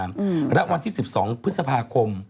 และวันที่๑๒พฤษภาคม